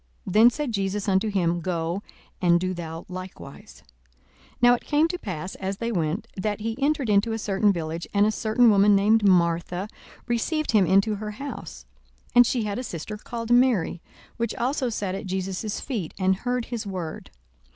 Then said Jesus unto him, Go, and do thou likewise. 42:010:038 Now it came to pass, as they went, that he entered into a certain village: and a certain woman named Martha received him into her house. 42:010:039 And she had a sister called Mary, which also sat at Jesus' feet, and heard his word.